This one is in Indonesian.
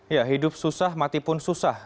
ya hidup susah mati pun susah